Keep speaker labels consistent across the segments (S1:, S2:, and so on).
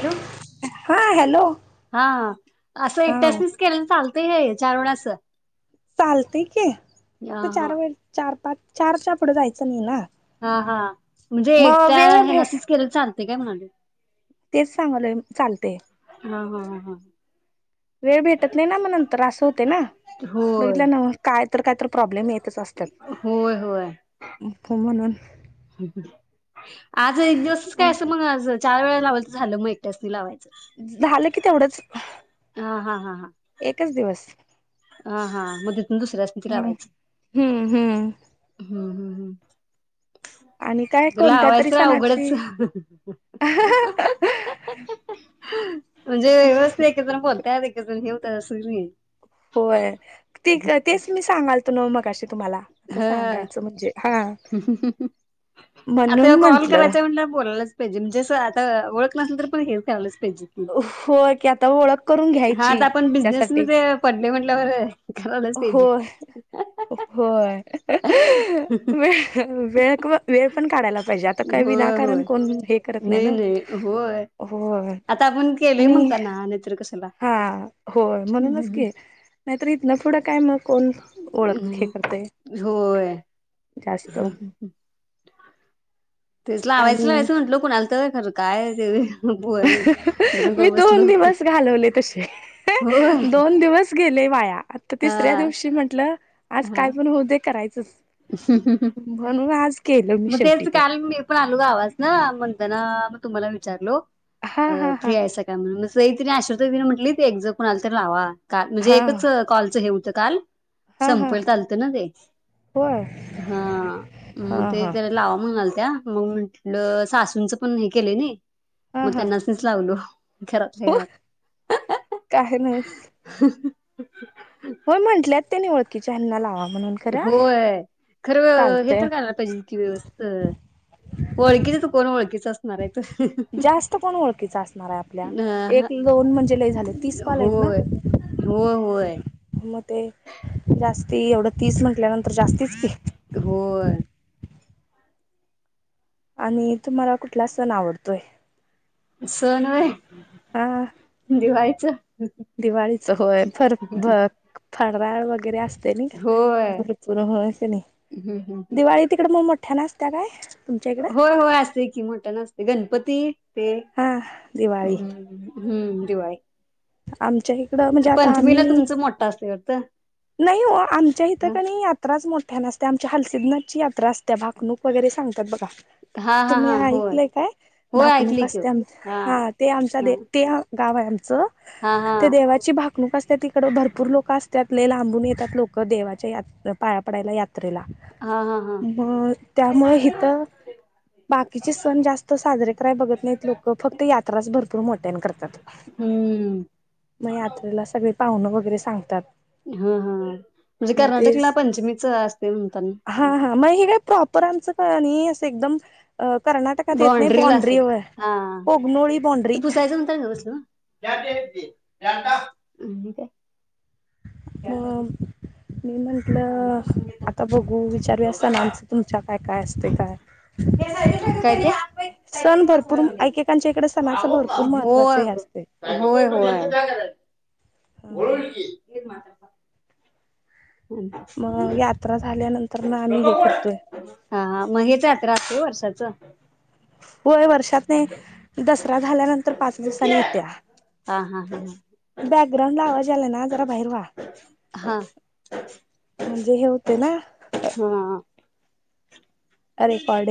S1: Hello
S2: हा hello
S1: हा असं
S2: हा
S1: एकट्यासनीच केले चालतय हे चारुण असं
S2: चालते के
S1: ह
S2: फक्त
S1: ह
S2: चार वेळ चार पाच चारच्या पुढं जायचं नाही ना
S1: हा हा म्हणजे
S2: मग
S1: एकट्या
S2: वेळ
S1: हे
S2: भेट
S1: नसेच केलेलं चालते काय म्हणाले
S2: तेच सांगलंय चालते
S1: हा हा हा
S2: वेळ भेटत नाही ना म नंतर असं होते ना
S1: होय
S2: बघितलं ना काय तर काय तर प्रॉब्लेम येत
S1: होय होय
S2: तमाणून
S1: आज एक दिवसच काय असं मग आज चार वेळा लावायच झालं मग टस लावायचं
S2: झालं की तेवढंच
S1: हा हा हा हा
S2: एकच दिवस
S1: हा हां मग तथून दुसरे असत
S2: ह हम्म हम्म
S1: हम् हम हम्
S2: आणि काय कोणत्या तरी
S1: लावायचं र
S2: सणाची
S1: अघडच म्हणजे व्यवस्थित एक जण बोलतय एक जण हे होतात
S2: होय ते तेच मी सांगाल त न मगाशी तुम्हाला आता
S1: हा
S2: सांगायचं म्हणजे हा
S1: आता
S2: म्हणून
S1: कॉल
S2: म्हंटलं
S1: करायचा म्हटल्यावर बोलायलाच पाहिजे म्हणजे असं आता ओळख नसल तर पण हेच ख्यावलंच पाहिजे की.
S2: होय की आता ओळख करून
S1: हा
S2: घ्यायची
S1: आता आपण
S2: त्यासाठी
S1: बिझनेसमध्ये पडले म्हटल्यावरर
S2: हो होय
S1: अ
S2: व वेळ वेळ पण काढायला पाहिजे आता काही
S1: होय
S2: विनाकारण
S1: होय.
S2: कोण करत नाही ना होय
S1: आता आपण केलंय
S2: मी
S1: म्हणताना नाहीतर कशाला.
S2: हा होय म्हणूनच
S1: नाही.
S2: की नाहीतर इथ ना पुोढं काय मग कोण ओळख खेकत
S1: होय तेच
S2: आणि
S1: लावायचंयचं म्हटलं कोणाल तर खरं काय ते बोल जरा
S2: मी
S1: गप्प बसलो.
S2: दोन दिवस घालवले तसे
S1: होय.
S2: दोन दिवस गेले वाया आता
S1: हा
S2: तिसऱ्या दिवशी म्हंटलं आज काय पण होऊ दे करायचंच
S1: अ ह
S2: म्हनुज
S1: मग तेच काल म्ह ण अलो आवाज ना म्हणताना मग तुम्हाला विचारलो
S2: हा हा हा
S1: फ्री आहे मग स तिने आश्र तिने म्हटली त ते एक्झ कोणाला त तर लावा का म्हणजे
S2: हा
S1: एकच कॉलचं हे होतं काल
S2: हा हा
S1: संप चालत ना ते
S2: होय
S1: हा
S2: हा
S1: म
S2: हा
S1: लावा म्हणाल त्या मग म्हटलं सासूंचं पण हे केलं नाही
S2: हा
S1: मग
S2: हा
S1: त्यांना लावलो घरातल्या
S2: हो
S1: घरात
S2: काय नाहीस
S1: ह
S2: होय म्हंटलेत त्यानी ओळखीच्या अन्ना लावा म्हणून खरं
S1: होय खरं हे
S2: चालतंय
S1: तर कला पाहिजेी व्यवस्था ओळखीच त कोण ओळखीच असत
S2: जास्त कोण ओळखीच असणार आहे आपल्या एक
S1: अ
S2: दोन म्हणजे लय झालं तीस कॉलेज ना
S1: होय होय होय
S2: मग ते जास्ती एवढं तीस म्हटल्यानंतर जास्तीच की
S1: हो
S2: आणि तुम्हाला कुठला सण आवडतोय
S1: सोनव
S2: ह
S1: दिवा्हायचं
S2: दिवाळीचं होय फर भ फडराळ वगैरे असत का
S1: होय
S2: भरपूर होण्या क नाही
S1: हम्म हम्म
S2: दिवाळी तिकड मग मोठ्या नसत्या काय तुमच्या इकडं
S1: हो होय असते की मोठा नसते गणपती ते
S2: हा दिवाळी
S1: हम्म दिवाळी
S2: आमच्या इकडं म्हणजे आता
S1: पंचमीला
S2: आम्ही
S1: तुमच मोठा असल्यावर तर
S2: नाही आमच्या इथं का नाही आ यात्राच मोठ्या नसत आमच्या हलसिदनाथची यात्रा असते्या भागणूक वगैरे सांगतात बघा
S1: हा हा
S2: तुम्ही
S1: हा होय
S2: ऐकलय काय
S1: होय
S2: भाकणूक
S1: ऐकली की हो.
S2: असते आ हा ते आमचा
S1: हा
S2: ते गाव आहे आमचं
S1: हा हा
S2: ते देवाची भाकणूक असते तिकड भरपूर लोक असतात आपले लांबून येतात लोक देवाच्या या पाया पडयला
S1: हा हा हा
S2: म त्यामुळे हथ बाकीचे सण जास्त साजरे कराय बघत नाहीत लोक फक्त यात्राच भरपूर मोटेन करतात
S1: हम्म
S2: मग
S1: हा
S2: यात्रेला सगळे पाहुण वगैरे सांगतात
S1: हा हा म्हणजे
S2: मग ते
S1: कर्नाटकला पंचमीच असते म्हणतात
S2: हा
S1: ना
S2: हा मग हे काय प्रॉपर आमचं काय नाही असं एकदम अ कर्नाटकात येत नाही
S1: बाॉंड्रीला
S2: बाॉंड्री
S1: असेल
S2: आहे कोगनोळी बाॉंड्री
S1: स
S2: म मीमाण आपलं आता बघू विचारवी असतानाचं तुमच्या काय काय असते काय
S1: काय
S2: सण भरपूर
S1: ते
S2: एकेकांच्या इकडे सणाच
S1: आवडला
S2: भरपूर महत्त्वाच
S1: होय
S2: हे असते
S1: होय होय
S2: ह
S1: बोलून न की हं.
S2: मग
S1: हं.
S2: यात्रा झाल्यानंतर ना आम्ही हे करतोय
S1: हा मग हेच यात्रा असते वर्षाच
S2: होय वर्षात नाही दसरा झाल्यानंतर पाच
S1: कुठे
S2: दिवसांनी
S1: आहे?
S2: येत्या
S1: हा हा हा ह
S2: बॅकग्रांड लावा गेला ना जरा बाहेर वा
S1: हा हा
S2: म्हणजे हे होते ना
S1: हा
S2: अरे पाड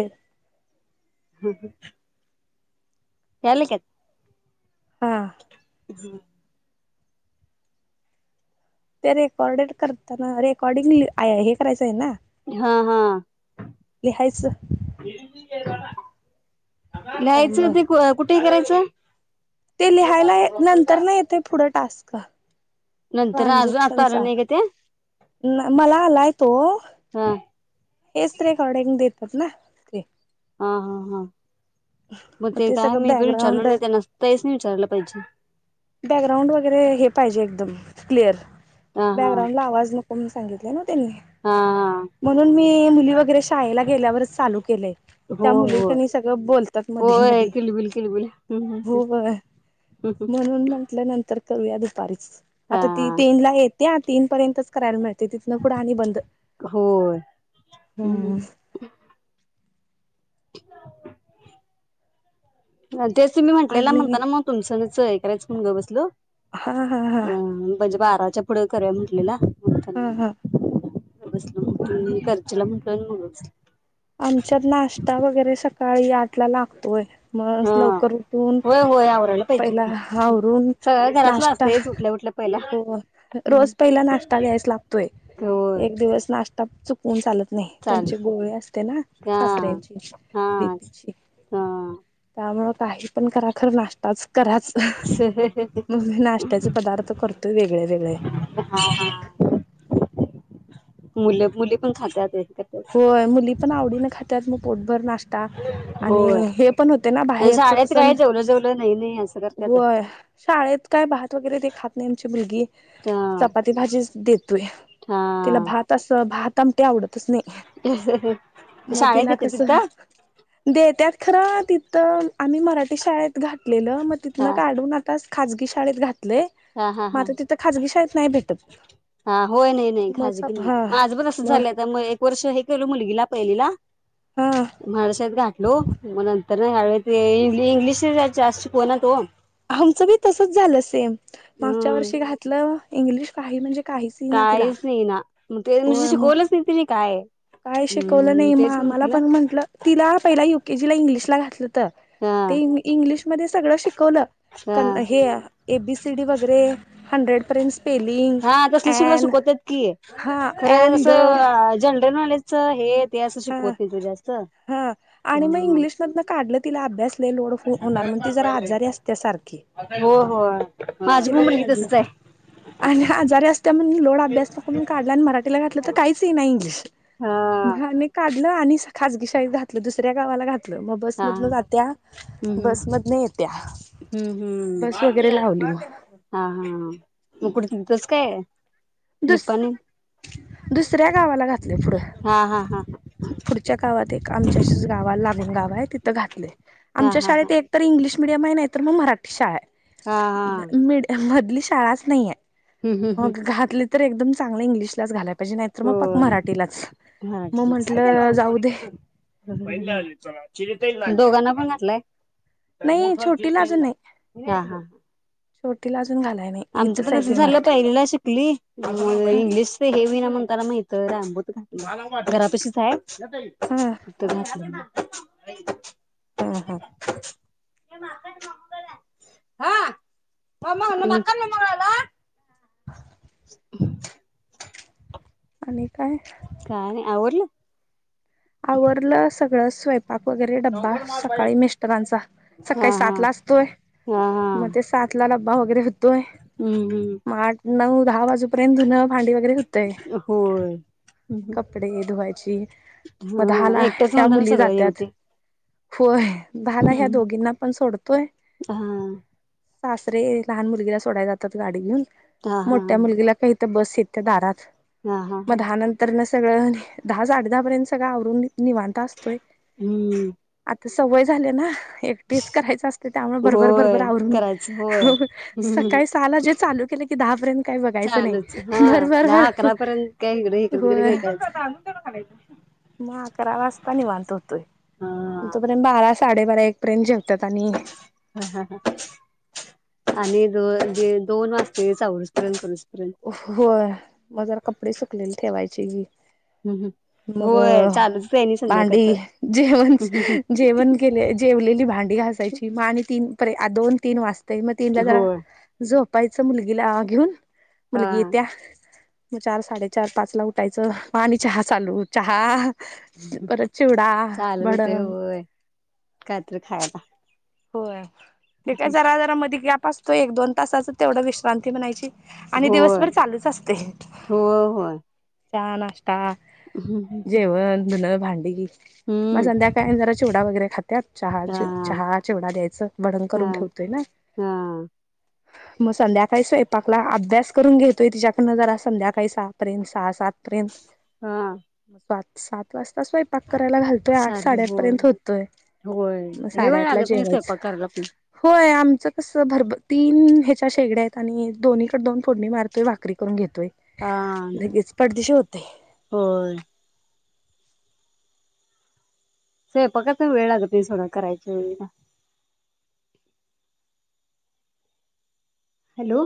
S1: ह ह ह काेत
S2: हम
S1: जु
S2: ते रेकॉर्डेड करताना रेकॉर्डिंग हे करायचं आहे ना
S1: हा हा
S2: लिहायचं त्यामुळं
S1: लिहायचं ते कुठे करायचं
S2: ते
S1: कुठे
S2: लिहायला
S1: गेलता? तुला कळता?
S2: नंतर ना येतय पुढं टास्क
S1: नंतर अजून आता आल
S2: ट्रान्झॅक्शनचा
S1: नाही का ते
S2: मला आलाय तो
S1: हा
S2: हेच रेकॉर्ड्यांंग देतो ना ते
S1: ह हा हा मग ते काय मी पण विचारलो नाही त्या नसताहीच नाही विचारलं पाहिजे
S2: बॅकग्राउंड वगैरे हे पाहिजे एकदम क्लिअर
S1: हा हा
S2: बॅकग्राउंड ला आवाज नक प सांगितले ना त्यांनी
S1: हा हा
S2: म्हणून मी मुली वगैरे शाळेला गेल्यावरच चालू केलंय त्या
S1: हो हो
S2: मुलींनी सगळं बोल मध
S1: होय
S2: मधी
S1: किलबिल किलबिल
S2: हो म्हंतू दुप
S1: हा
S2: तीने तर् करायला मिळते तिथन कढं आणि बंद
S1: होय
S2: हम्म
S1: [inaudible] जस मी म्हटलेला म्हणताो
S2: आणि
S1: ना मग तुमचंचं हे करायचं म्हण गं बसल अ
S2: हा हा हा
S1: म्हणजे बाराच्या पुढे करया म्हटलेला म.
S2: हा हा
S1: स खर्चला म्हटलं मु
S2: आमच्यात नाश्ता वगैरे सकाळी आठ ला लागतोय. मस्त
S1: हा
S2: लवकर उठून
S1: होय होय आवरायला पाहिजे
S2: पहिला
S1: की
S2: आवरून
S1: सगळं घरातलं
S2: नाश्ता.
S1: असतंयच उठल्या उठल्या पहिला
S2: हो रोज पहिला नाश्ता द्यायच लागतोय
S1: होय
S2: एक दिवस नाश् आ चुकवून चालत नाही त्यांचे
S1: चालतंय
S2: गोळी अस
S1: हा
S2: सासऱ्यांची
S1: हा
S2: बीपीची.
S1: हा हा
S2: त्यामुळ काही पण करा खरं नास आज कराच मग मी नाश्त्याचे पदार्थ करतोय वेगळे वेगळे.
S1: हा हा. मुलं मुली पण खातात.
S2: होय मुली पण आवडी ना खात्यात मग पोटभर नाश्ता आणि
S1: होय
S2: हे पण होते ना बाहेरच
S1: शाळेत
S2: कस
S1: काय जेवलं जेवलं नाही नाही असं करत्यात
S2: होय शाळेत. काय भात वगैरे ते खात नाही आमची मुलगी.
S1: तर
S2: चपाती भाजीच देतोय तिला भात अस भात आमटी आवडतच नाही. म
S1: शाळेत
S2: तीला
S1: येते
S2: कस.
S1: तिथं
S2: दे त्यात खरं तिथं आम्ही मराठी शाळेत घातलेलं मग तिथन
S1: हा
S2: काढून. तास खाजगी शाळेत घातलेय
S1: हा हा हा
S2: मात्र तिथं खाजगी शाळेत नाही भेटत.
S1: हा होय नाही नाही खाजगी
S2: मग
S1: नाही
S2: हा
S1: माझं पण असंच
S2: मग
S1: झालंय मगत्यामुळे वर्ष हे केल मुलगीला पहिलीला
S2: हा
S1: महाराष्ट्रात गाठलो म तर नाही ह ते इंग्लिश जास्त शिकवणात ओ.
S2: आमचं बी तसच झालं सेम मागच्या
S1: हम्म
S2: वर्षी घातलं इंग्लिश काही म्हणजे काहीच ईना तिला.
S1: इना.
S2: होय मग काय शिकवलं
S1: हम्म
S2: नाही म
S1: तेच
S2: आमला
S1: म्हटलं
S2: पण म्हंटलं. तिला पहिला युकेजीला इंग्लिशला घातलं.
S1: हा
S2: ते इंग्लिशमध्ये सगळं शिकवलं
S1: हा
S2: हे. एबीसी डी वगैरे हंड्रेड पर्यंत. स्पेलिंग
S1: हा तसल शिक
S2: ॲन
S1: शिकवतात की
S2: हा
S1: खरं
S2: ॲन द
S1: असं जनरल नॉलेजच हे ते असं
S2: हा
S1: शिकवत नाही ओ जास्त.
S2: हा आणि मग
S1: ह
S2: इंग्लिशमधन काढलं तिला अभ्यासला लोड होणार मग ती जरा आजारी असते सारखी
S1: हो हो
S2: मग
S1: माझी
S2: तिला
S1: पण मुलगी
S2: काढलं
S1: तसच आहे.
S2: आणि आजारी असत्या म्हणून लोड अभ्यास नको म्हणून काढला आणि मराठीला घातलं तर काहीच ये नाही इंग्लिश.
S1: हा
S2: म आणी काढलं आणि खाजगी शाळेत घातलं दुसऱ्या गावाला घातलं. मग
S1: हा
S2: बसमधन जात्या
S1: हम्म
S2: बसमधने येत्या. बस
S1: हम्म
S2: वगैरे लावली मग
S1: हम्म. हा हा मग कुठ इथंच काय.
S2: दुस
S1: निपाणी
S2: दुसऱ्या गावाला घातले पुढं.
S1: हा हा हा हा.
S2: पुढच्या गावात एक आमच्या गावा लागून गाव आहे तिथं घातलेय
S1: हा हा
S2: आमच्या
S1: हा हा
S2: शाळेत एक. तर इंग्लिश मिडियम आहे नाही तर मग मराठी शाळा
S1: हा
S2: आहे मीडय मधली शाळाच नाहीय.
S1: हम्म हम्म हम्म
S2: मग घातली तर एकदम चांगल्या इंग्लिशलाच घालाय. पाहिजे नाहीत मग पाक
S1: होय
S2: मराठीलाच मग
S1: मराठीच
S2: म्हंटलं जाऊ दे.
S1: दोघांना पण घातलाय. म मर्
S2: नाही
S1: सल
S2: छोटीला
S1: जयताला [unintelligible]
S2: छोटी ला अजून घालाय नाही.
S1: आमचं
S2: इथंच
S1: पण
S2: आहे
S1: अस
S2: ती
S1: झालं
S2: मराठी
S1: पहिले चली
S2: ह
S1: इंग्लिश हेवी ना म्हणताला माहित रामबूत घात घरापाशीच आहे त
S2: हां हां
S1: हा म हनुमान [unintelligible]
S2: हा
S1: ह
S2: आणि काय
S1: काय नाही आवरल?
S2: आवरलं सगळं स्वयं पाक वगैरे डब्बा सकाळी मिस्टरांचा सकाळी
S1: हा हा
S2: सात ला असतोय.
S1: हा हा
S2: मग ते सात ला डब्बा वगैरे होतोय.
S1: हम् हम्
S2: मग आठ नऊ दहा वाजूपर्यंत धुनं भांडी वगैरे होतय.
S1: होय
S2: कपडे धुवायची म दहा ला
S1: हा एकटंच
S2: ह्या
S1: म्हणताना
S2: मुली
S1: सगळं हे
S2: जातात.
S1: होतंय
S2: होय झाला ह्या दोघींना पण सोडतोय.
S1: हा
S2: सासरे लहान मुलगीला सोडायला जातात गाडी घेऊन
S1: हा हा
S2: मोठ्या मुलगीला काही बस येत दारात
S1: हा हा हा
S2: मग दहा नंतर सगळं दहा साडे पर्यंत सगळं आवरून निवांता असतोय.
S1: हम्म
S2: आता सवय झाले ना. एक एकटीच करायच असते त्यामुळे भर भर
S1: होय
S2: आवरून
S1: करायचं होय हम्म
S2: सकाळी सहाला जे चालू के कि दहा पर्यंत काही बघायचं नाही
S1: चालूच हा
S2: भर, भर,
S1: दहा
S2: भर, होय.
S1: चालू करून
S2: मग अकरा वाजता निवांत होतोय
S1: हा
S2: तोपर्यंत बारा वाजता साडे बारा एक पर्यंत जेवतात आणि
S1: ह ह आणि दो जे दोन वाजते आवरुस पर्यंत करुस पर्यंत
S2: हो मग जरा कपडे सुकलेले ठेवायची.
S1: हम्म हम्म
S2: मग
S1: होय चालूच आहे आणि
S2: भांडी,
S1: संध्याकाळचं.
S2: जेवण
S1: हम्म हम्म
S2: हह जेवण केले जेवलेली भांडी घासायची मग आणि तीन पे दोन तीन वाजता त मग तिला जरा
S1: होय
S2: झोपायचं मुलगीला घेऊन
S1: हा
S2: मुलगी येत्या मग चार साडेचार पाच ला उठायचं म आणि चहा चालू चहा परत चिवडा,
S1: चालू होतय
S2: भडंग
S1: होय काय तरी. खायला.
S2: होय ते काय जरा जरा मधी गॅप असतोय एक दोन ताच तेवढा विश्रांती म्हणायची. आणि
S1: होय.
S2: दिवसभर चालूच असते
S1: होय होय
S2: हा नाश्ता
S1: हम्म हम्म
S2: जेवण धुलं भांडीी मग
S1: हम्म
S2: संध्या काय जरा चिवडा वगैरे खात्यात चहा
S1: हा
S2: चहा चिवडा द्यायचं भडंग
S1: हा
S2: करून ठेवतोय ना.
S1: हा
S2: मग संध्याकाळी स्वयंपाकला अभ्यास करून घेतोय तिच्याकडनं जरा संध्याकाळी सहापर्यंत सहा सात
S1: हा
S2: त सात वाजता स्वयपाक करायला घाल तो आठ
S1: चालू
S2: साडेआठ
S1: होय
S2: पर्यंत होतोय
S1: होय
S2: म
S1: लय वेळ
S2: साडेआठ ला
S1: लागत नाही
S2: जेवायच.
S1: स्वयंपाक करायला पण
S2: होय आमचं कस भरभर तीन ह्याच्या शेगड्या आहेत आणि दोन्हीकडे दोन फोडणी मारतोय, भाकरी करून घेतोय.
S1: हा
S2: लगेच पटदिशी होतय.
S1: होय. स्वयपाकाचा वेळ लागतोय थोडा करायच्या वेळेला. हॅलो!